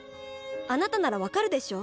あなたなら分かるでしょ？